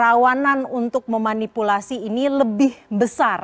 rawanan untuk memanipulasi ini lebih besar